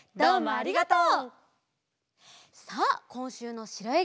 ありがとう。